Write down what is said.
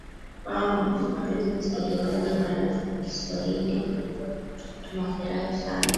naam mpenzi msikilizaji wa rfi kiswahili tunafurahi sana